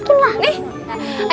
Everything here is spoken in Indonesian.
lompat lanjutin lah